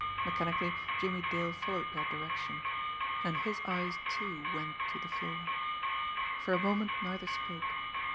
Mechanically Jimmie Dale followed their direction and his eyes, too, held on the floor. For a moment neither spoke.